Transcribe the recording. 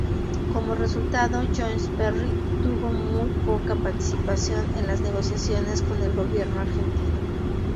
Como resultado, Jones-Parry tuvo muy poca participación en las negociaciones con el gobierno argentino.